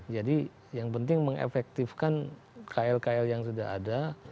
jadi yang penting mengefektifkan kl kl yang sudah ada